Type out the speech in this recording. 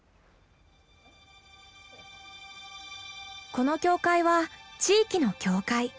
この教会は地域の教会。